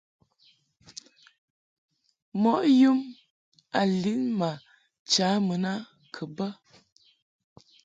Mɔʼ yum a lin ma cha mun a kɨ bɛ.